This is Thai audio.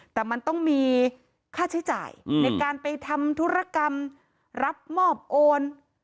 แต่มันต้องมีค่าใช้จ่ายในการไปทำธุรกรรมรับมอบโอน